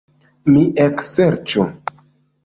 Mi ekserĉu.